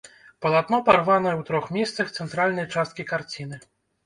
Палатно парванае ў трох месцах цэнтральнай часткі карціны.